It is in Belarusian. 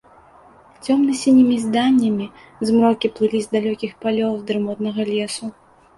Цёмна-сінімі зданямі змрокі плылі з далёкіх палёў, з дрымотнага лесу.